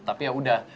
tapi ya udah